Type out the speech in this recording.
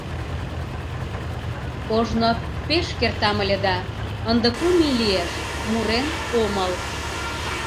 — Ожно пеш кертам ыле да, ынде кум ий лиеш, мурен омыл.